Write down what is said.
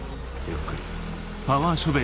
ゆっくり。